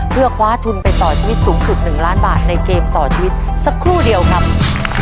เพื่อคว้าทุนไปต่อชีวิตสูงสุด๑ล้านบาทในเกมต่อชีวิตสักครู่เดียวครับ